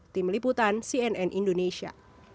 tim liputan cnn indonesia